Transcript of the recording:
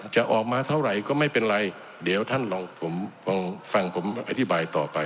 จะออกมาเท่าไหร่ก็ไม่เป็นไรเดี๋ยวท่านลองผมฟังผมอธิบายต่อไป